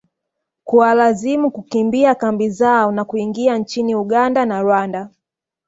kuwalazimu kukimbia kambi zao na kuingia nchini Uganda na Rwanda